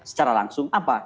secara langsung apa